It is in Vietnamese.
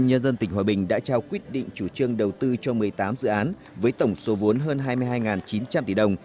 ubnd tỉnh hòa bình đã trao quyết định chủ trương đầu tư cho một mươi tám dự án với tổng số vốn hơn hai mươi hai chín trăm linh tỷ đồng